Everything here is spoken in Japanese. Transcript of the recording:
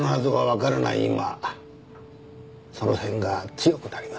今その線が強くなりますね。